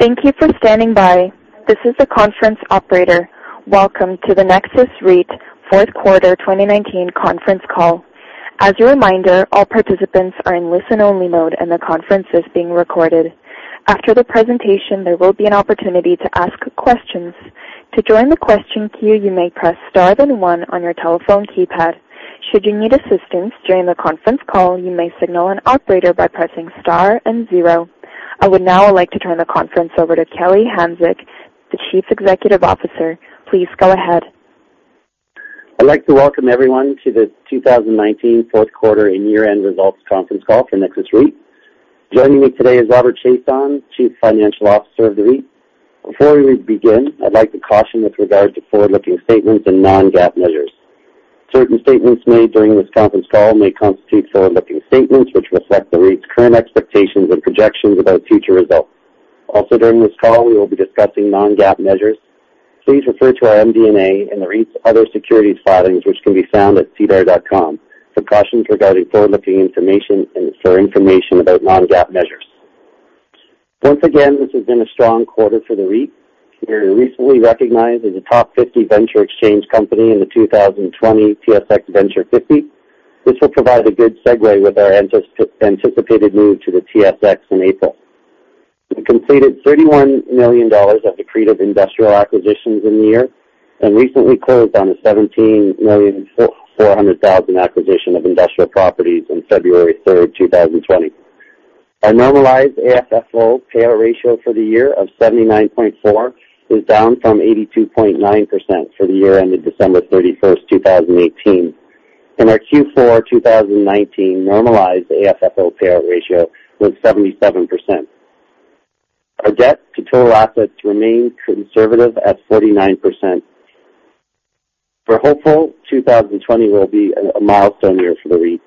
Thank you for standing by. This is the conference operator. Welcome to the Nexus REIT Fourth Quarter 2019 Conference Call. As a reminder, all participants are in listen-only mode, and the conference is being recorded. After the presentation, there will be an opportunity to ask questions. To join the question queue, you may press star then one on your telephone keypad. Should you need assistance during the conference call, you may signal an operator by pressing star and zero. I would now like to turn the conference over to Kelly Hanczyk, the Chief Executive Officer. Please go ahead. I'd like to welcome everyone to the 2019 fourth quarter and year-end results conference call for Nexus REIT. Joining me today is Robert Chiasson, Chief Financial Officer of the REIT. Before we begin, I'd like to caution with regards to forward-looking statements and non-GAAP measures. Certain statements made during this conference call may constitute forward-looking statements, which reflect the REIT's current expectations and projections about future results. Also, during this call, we will be discussing non-GAAP measures. Please refer to our MD&A and the REIT's other securities filings, which can be found at sedar.com for cautions regarding forward-looking information and for information about non-GAAP measures. Once again, this has been a strong quarter for the REIT. We were recently recognized as a Top 50 Venture Exchange company in the 2020 TSX Venture 50. This will provide a good segue with our anticipated move to the TSX in April. We completed 31 million dollars of accretive industrial acquisitions in the year and recently closed on the 17,400,000 acquisition of industrial properties on February 3, 2020. Our normalized AFFO payout ratio for the year of 79.4% is down from 82.9% for the year ended December 31, 2018. Our Q4 2019 normalized AFFO payout ratio was 77%. Our debt to total assets remain conservative at 49%. We're hopeful 2020 will be a milestone year for the REIT.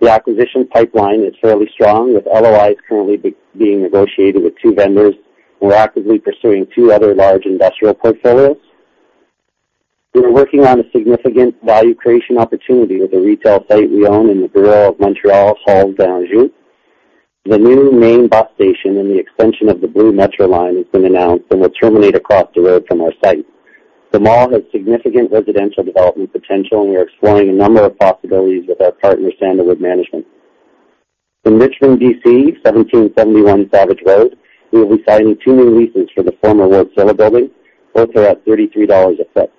The acquisition pipeline is fairly strong, with LOIs currently being negotiated with two vendors. We're actively pursuing two other large industrial portfolios. We're working on a significant value creation opportunity with a retail site we own in the borough of Montreal, Les Halles d'Anjou. The new main bus station and the extension of the Montreal Metro Blue Line has been announced and will terminate across the road from our site. The mall has significant residential development potential, we are exploring a number of possibilities with our partner, Sandalwood Management. In Richmond, B.C., 1771 Savage Road, we will be signing two new leases for the former World Solar building. Both are at 33 dollars a foot.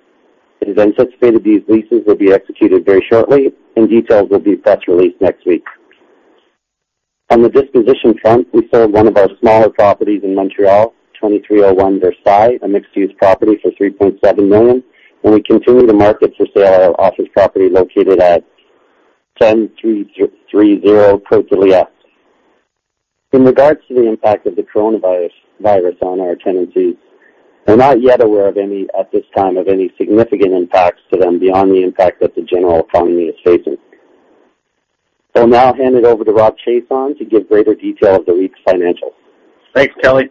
It is anticipated these leases will be executed very shortly, details will be press released next week. On the disposition front, we sold one of our smaller properties in Montreal, 2301 Rue Versailles, a mixed-use property, for 3.7 million, we continue to market to sale our office property located at 10330 Boulevard de l'Acadie. In regards to the impact of the Coronavirus on our tenancies, we're not yet aware at this time of any significant impacts to them beyond the impact that the general economy is facing. I'll now hand it over to Rob Chiasson to give greater detail of the REIT's financials. Thanks, Kelly.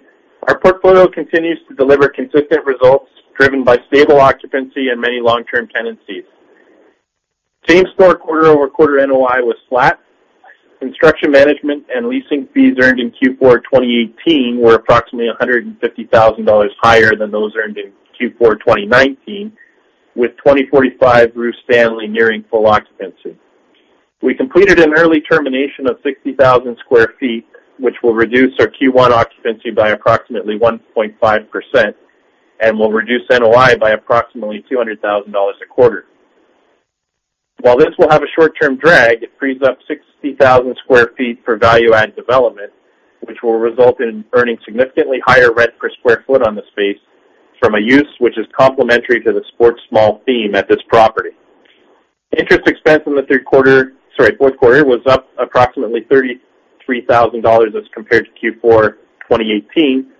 Our portfolio continues to deliver consistent results driven by stable occupancy and many long-term tenancies. Same store quarter-over-quarter NOI was flat. Construction management and leasing fees earned in Q4 2018 were approximately 150,000 dollars higher than those earned in Q4 2019, with 2045 Rue Stanley nearing full occupancy. We completed an early termination of 60,000 sq ft, which will reduce our Q1 occupancy by approximately 1.5% and will reduce NOI by approximately 200,000 dollars a quarter. While this will have a short-term drag, it frees up 60,000 sq ft for value add development, which will result in earning significantly higher rent per square foot on the space from a use which is complementary to the sports small theme at this property. Interest expense in the fourth quarter was up approximately 33,000 dollars as compared to Q4 2018.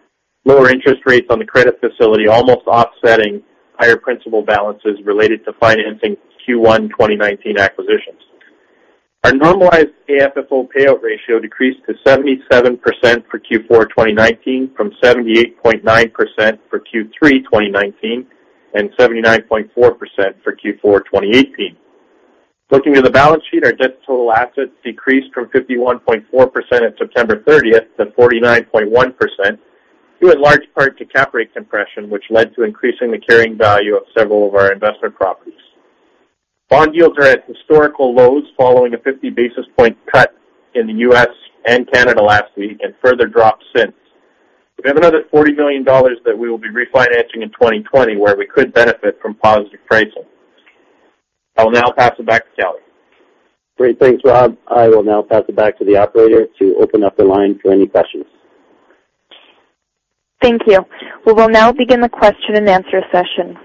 Lower interest rates on the credit facility almost offsetting higher principal balances related to financing Q1 2019 acquisitions. Our normalized AFFO payout ratio decreased to 77% for Q4 2019 from 78.9% for Q3 2019 and 79.4% for Q4 2018. Looking at the balance sheet, our debt to total assets decreased from 51.4% at September 30th to 49.1%, due in large part to cap rate compression, which led to increasing the carrying value of several of our investment properties. Bond yields are at historical lows following a 50-basis-point cut in the U.S. and Canada last week and further dropped since. We have another 40 million dollars that we will be refinancing in 2020, where we could benefit from positive appraisal. I will now pass it back to Kelly. Great. Thanks, Rob. I will now pass it back to the operator to open up the line for any questions. Thank you. We will now begin the question-and-answer session.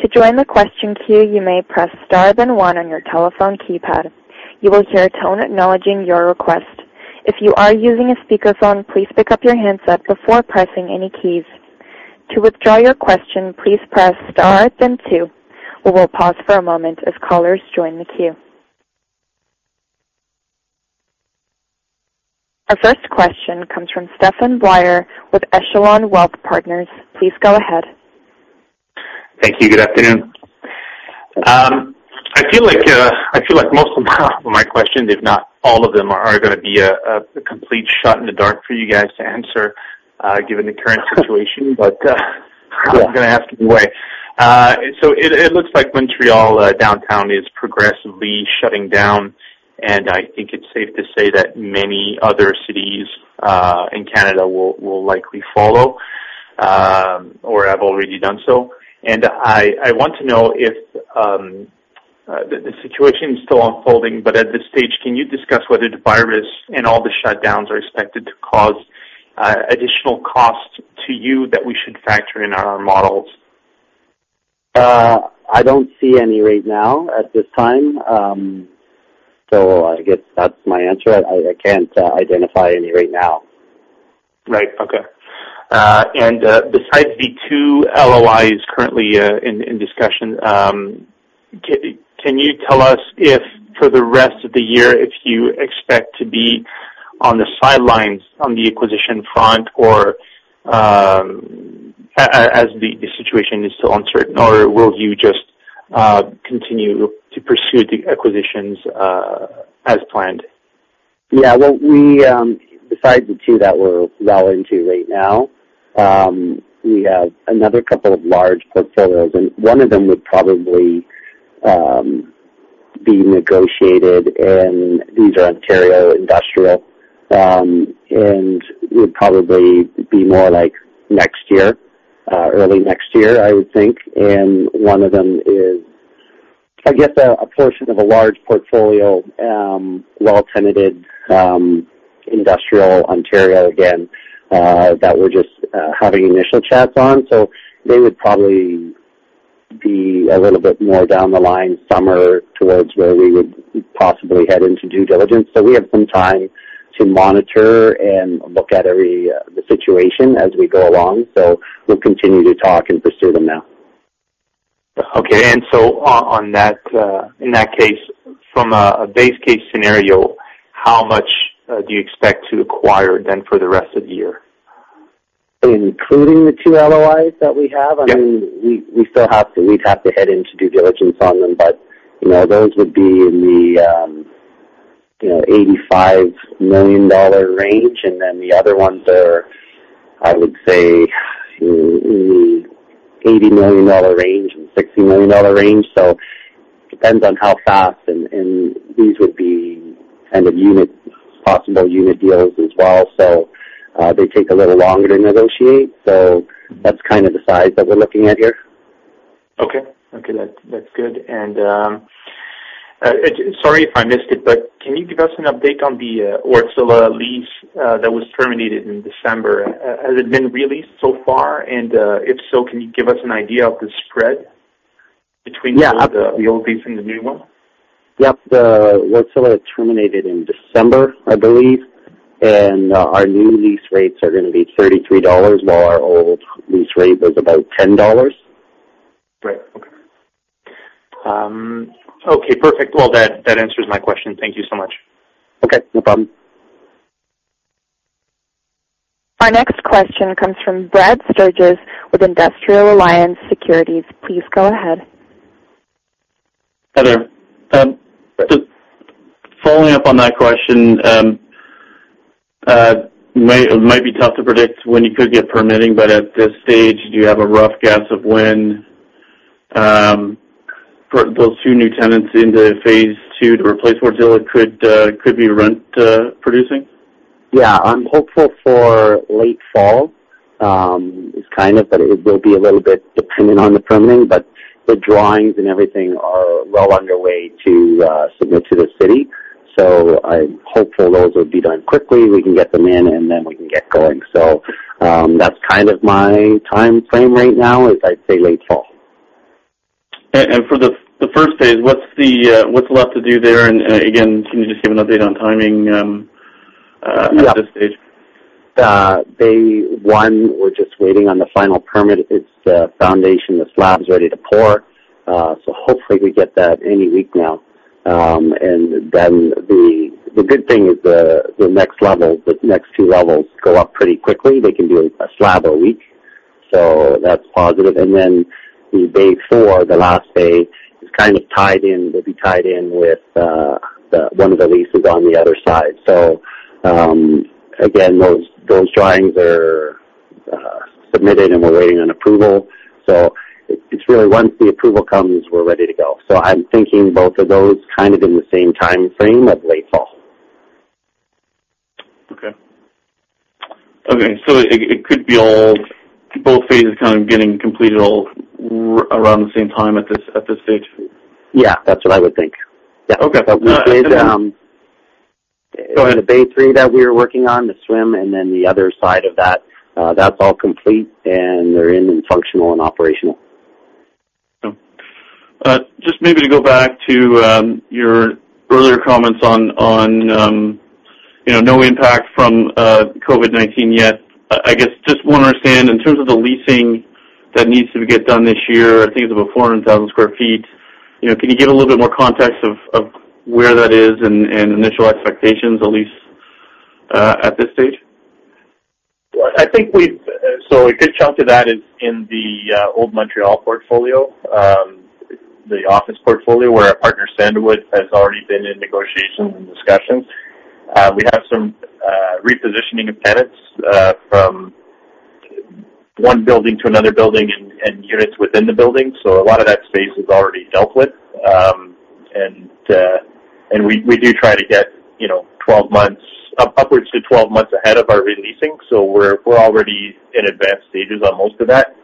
To join the question queue, you may press star then one on your telephone keypad. You will hear a tone acknowledging your request. If you are using a speakerphone, please pick up your handset before pressing any keys. To withdraw your question, please press star then two. We will pause for a moment as callers join the queue. Our first question comes from Stephan Boire with Echelon Wealth Partners. Please go ahead. Thank you. Good afternoon. I feel like most of my questions, if not all of them, are going to be a complete shot in the dark for you guys to answer, given the current situation. Yeah. I'm going to ask anyway. It looks like Montreal downtown is progressively shutting down, and I think it's safe to say that many other cities in Canada will likely follow or have already done so. I want to know if, the situation is still unfolding, but at this stage, can you discuss whether the virus and all the shutdowns are expected to cause additional costs to you that we should factor in our models? I don't see any right now, at this time. I guess that's my answer. I can't identify any right now. Right. Okay. Besides the two LOIs currently in discussion, can you tell us if, for the rest of the year, if you expect to be on the sidelines on the acquisition front as the situation is still uncertain, or will you just continue to pursue the acquisitions as planned? Yeah. Besides the two that we're well into right now, we have another couple of large portfolios. One of them would probably be negotiated. These are Ontario Industrial, and would probably be more like next year, early next year, I would think. One of them is, I guess, a portion of a large portfolio, well-tenanted, Industrial Ontario again, that we're just having initial chats on. They would probably be a little bit more down the line, summer, towards where we would possibly head into due diligence. We have some time to monitor and look at the situation as we go along. We'll continue to talk and pursue them now. Okay. In that case, from a base case scenario, how much do you expect to acquire then for the rest of the year? Including the two LOIs that we have? Yeah. We'd have to head into due diligence on them. Those would be in the 85 million dollar range. The other ones are, I would say, in the 80 million dollar range and 60 million dollar range. Depends on how fast, and these would be kind of possible unit deals as well. They take a little longer to negotiate. That's kind of the size that we're looking at here. Okay. That's good. Sorry if I missed it, but can you give us an update on the Wärtsilä lease that was terminated in December? Has it been re-leased so far? If so, can you give us an idea of the spread between- Yeah. the old lease and the new one? Yep. Wärtsilä terminated in December, I believe. Our new lease rates are going to be 33 dollars, while our old lease rate was about 10 dollars. Great. Okay. Okay, perfect. That answers my question. Thank you so much. Okay. No problem. Our next question comes from Brad Sturges with Industrial Alliance Securities. Please go ahead. Hello. Just following up on that question. It might be tough to predict when you could get permitting. At this stage, do you have a rough guess of when those two new tenants into phase two to replace Wärtsilä could be rent-producing? Yeah. I'm hopeful for late fall. It's kind of, it will be a little bit dependent on the permitting. The drawings and everything are well underway to submit to the city. I'm hopeful those will be done quickly. We can get them in, and then we can get going. That's kind of my timeframe right now, is I'd say late fall. For the first phase, what's left to do there? Again, can you just give an update on timing at this stage? Bay 1, we're just waiting on the final permit. It's the foundation. The slab's ready to pour. Hopefully we get that any week now. The good thing is the next two levels go up pretty quickly. They can do a slab a week, so that's positive. The Bay 4, the last bay, will be tied in with one of the leases on the other side. Again, those drawings are submitted, and we're waiting on approval. It's really once the approval comes, we're ready to go. I'm thinking both of those kind of in the same timeframe of late fall. Okay. It could be all phases kind of getting completed all around the same time at this stage? Yeah. That's what I would think. Yeah. Okay. But we did- Go ahead. Bay 3 that we were working on, the suite, and then the other side of that's all complete, and they're in and functional and operational. Just maybe to go back to your earlier comments on no impact from COVID-19 yet. I guess, just want to understand, in terms of the leasing that needs to get done this year, I think it's about 400,000 sq ft. Can you give a little bit more context of where that is and initial expectations, at least at this stage? A good chunk of that is in the old Montreal portfolio, the office portfolio where our partner, Sandalwood, has already been in negotiations and discussions. We have some repositioning of tenants from one building to another building and units within the building. A lot of that space is already dealt with. We do try to get upwards to 12 months ahead of our releasing, so we're already in advanced stages on most of that.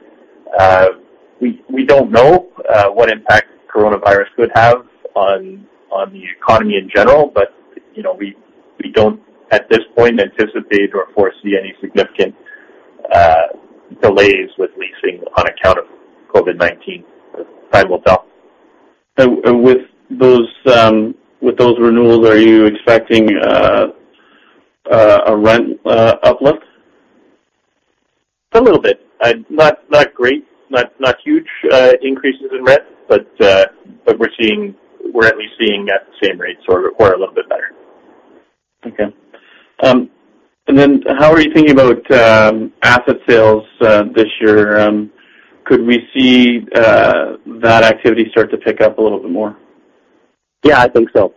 We don't know what impact coronavirus could have on the economy in general, but we don't, at this point, anticipate or foresee any significant delays with leasing on account of COVID-19. Time will tell. With those renewals, are you expecting a rent uplift? A little bit. Not great. Not huge increases in rent. We're at least seeing at the same rates or a little bit better. Okay. How are you thinking about asset sales this year? Could we see that activity start to pick up a little bit more? Yeah, I think so.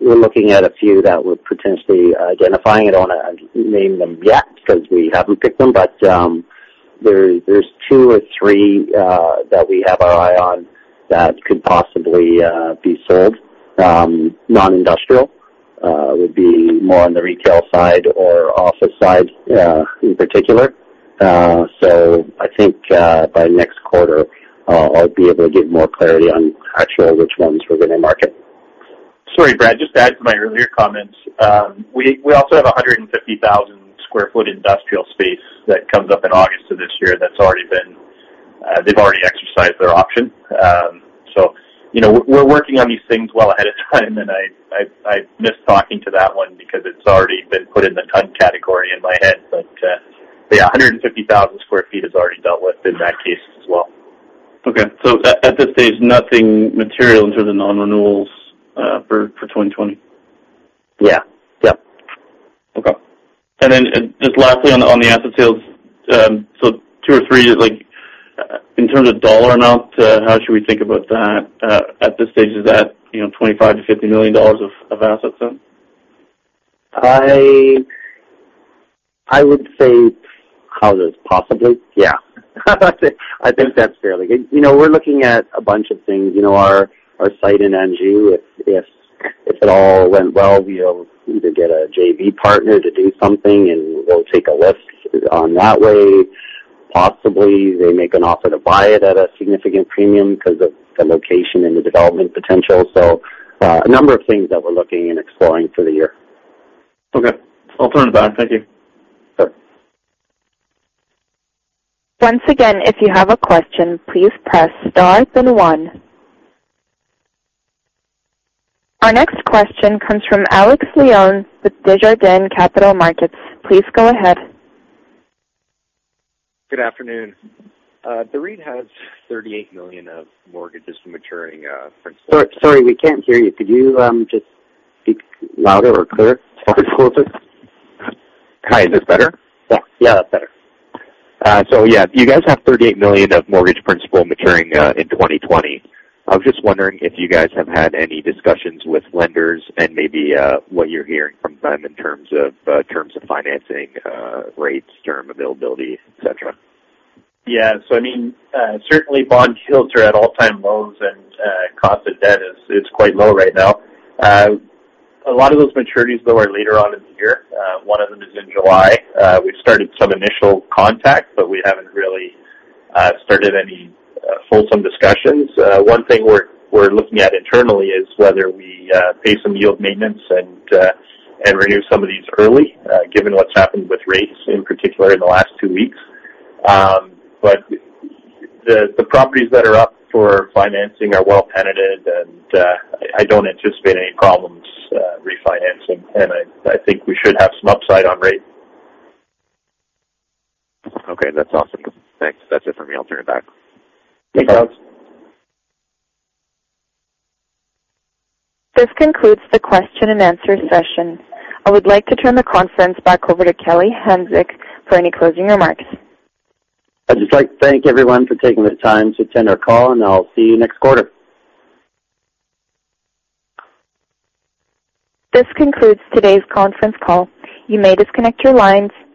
We're looking at a few that we're potentially identifying. I don't want to name them yet because we haven't picked them, but there's two or three that we have our eye on that could possibly be sold. Non-industrial, would be more on the retail side or office side in particular. I think by next quarter, I'll be able to give more clarity on actually which ones we're going to market. Sorry, Brad, just to add to my earlier comments. We also have 150,000 sq ft industrial space that comes up in August of this year that they've already exercised their option. We're working on these things well ahead of time, and I missed talking to that one because it's already been put in the done category in my head. Yeah, 150,000 sq ft is already dealt with in that case as well. Okay. At this stage, nothing material in terms of non-renewals for 2020? Yeah. Okay. Just lastly on the asset sales, so two or three is like, in terms of dollar amount, how should we think about that at this stage? Is that 25 million-50 million dollars of assets then? I would say, how this, possibly, yeah. I think that's fairly good. We're looking at a bunch of things. Our site in Anjou, if it all went well, we'll either get a JV partner to do something, and we'll take a less on that way. Possibly they make an offer to buy it at a significant premium because of the location and the development potential. A number of things that we're looking and exploring for the year. Okay. I'll turn it back. Thank you. Sure. Once again, if you have a question, please press star then one. Our next question comes from Alex Leon with Desjardins Capital Markets. Please go ahead. Good afternoon. The REIT has 38 million of mortgages maturing. Sorry, we can't hear you. Could you just speak louder or clearer? Talk closer. Hi, is this better? Yeah, that's better. Yeah. You guys have 38 million of mortgage principal maturing in 2020. I was just wondering if you guys have had any discussions with lenders and maybe what you're hearing from them in terms of financing rates, term availability, et cetera. Certainly bond yields are at all-time lows and cost of debt is quite low right now. A lot of those maturities, though, are later on in the year. One of them is in July. We've started some initial contact, but we haven't really started any fulsome discussions. One thing we're looking at internally is whether we pay some yield maintenance and renew some of these early, given what's happened with rates, in particular in the last two weeks. The properties that are up for financing are well tenanted, and I don't anticipate any problems refinancing, and I think we should have some upside on rates. Okay, that's awesome. Thanks. That's it for me. I'll turn it back. Thanks, Alex. This concludes the question and answer session. I would like to turn the conference back over to Kelly Hanczyk for any closing remarks. I'd just like to thank everyone for taking the time to attend our call, and I'll see you next quarter. This concludes today's conference call. You may disconnect your lines.